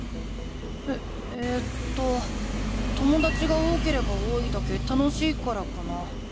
ええとともだちが多ければ多いだけ楽しいからかな。